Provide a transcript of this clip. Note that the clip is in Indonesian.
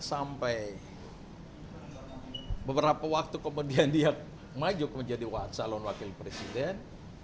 sampai beberapa waktu kemudian dia maju menjadi calon wakil presiden